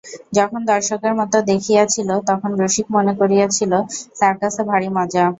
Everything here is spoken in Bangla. যখন দর্শকের মতো দেখিয়াছিল তখন রসিক মনে করিয়াছিল, সার্কাসে ভারি মজা।